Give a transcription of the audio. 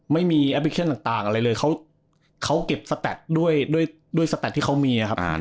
ไม่มีแอปพลิเคชันต่างอะไรเลยเขาเก็บสแตคด้วยสแตคที่เขามีครับ